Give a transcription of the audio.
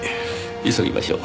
急ぎましょう。